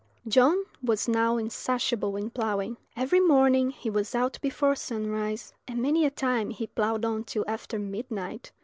John was now insatiable in ploughing. Every morning he was out before sunrise, and many a time he ploughed on till after midnight.